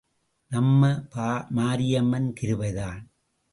நம்ப மாரியம்மன் கிருபைதான்.